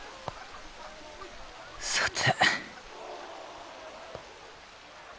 さて。